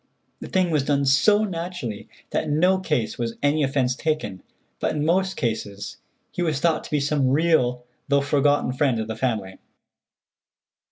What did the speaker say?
The thing was done so naturally that in no case was any offence taken, but in most cases he was thought to be some real though forgotten friend of the family.